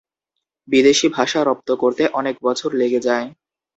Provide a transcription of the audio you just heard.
বিদেশি ভাষা রপ্ত করতে অনেক বছর লেগে যায়।